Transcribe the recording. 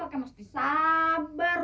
pakai mesti sabar